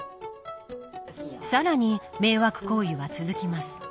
さらに、迷惑行為は続きます。